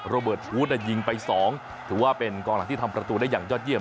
เบิร์ดฟู้ดยิงไป๒ถือว่าเป็นกองหลังที่ทำประตูได้อย่างยอดเยี